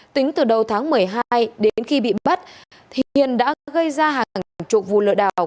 tính từ đầu tháng một mươi hai đến khi bị bắt hiền đã gây ra hàng trục vụ lợi đảo